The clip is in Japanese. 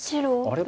あれ？